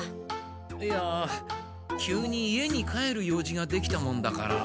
いや急に家に帰る用事ができたもんだから。